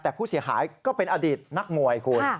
แต่ผู้เสียหายก็เป็นอดีตนักมวยคุณ